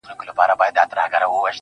راسره جانانه ستا بلا واخلم.